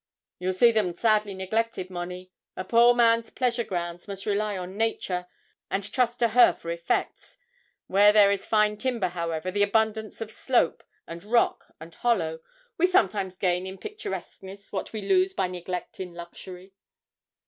'You'll see them sadly neglected, Monnie. A poor man's pleasure grounds must rely on Nature, and trust to her for effects. Where there is fine timber, however, and abundance of slope, and rock, and hollow, we sometimes gain in picturesqueness what we lose by neglect in luxury.'